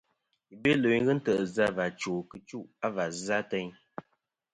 I Belo i ghɨ ntè' zɨ a và chwo kitchu va zɨ a teyn.